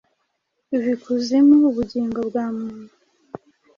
iva ikuzimu Ubugingo bwa muntu.